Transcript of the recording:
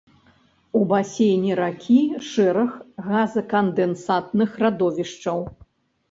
У басейне ракі шэраг газакандэнсатных радовішчаў.